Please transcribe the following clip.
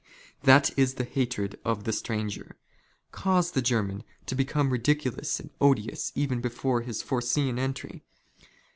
That is the hatred of the stranger. Cause the German 'Ho become ridiculous and odious even before his foreseen entry.